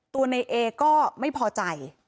ตัวในเอก็ไม่พอใจ